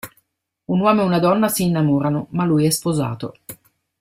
Un uomo e una donna si innamorano, ma lui è sposato.